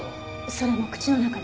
それも口の中に。